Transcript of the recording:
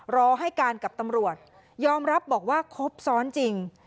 รอให้การกับตำรวจยอมรับบอกว่าครบซ้อนจริง